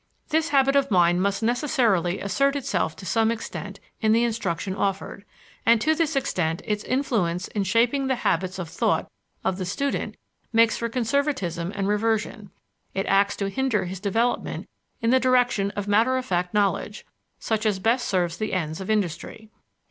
This habit of mind must necessarily assert itself to some extent in the instruction offered, and to this extent its influence in shaping the habits of thought of the student makes for conservatism and reversion; it acts to hinder his development in the direction of matter of fact knowledge, such as best serves the ends of industry.